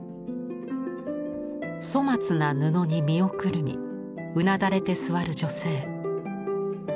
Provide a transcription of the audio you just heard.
粗末な布に身をくるみうなだれて座る女性。